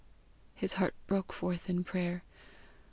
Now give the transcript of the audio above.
His heart broke forth in prayer.